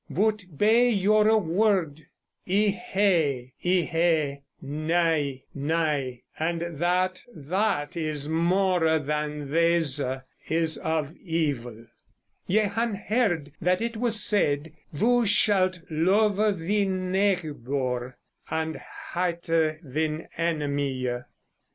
but be youre worde, yhe, yhe; nay, nay; and that that is more than these, is of yvel.... Ye han herd that it was seid, Thou schalt love thi neighbore, and hate thin enemye.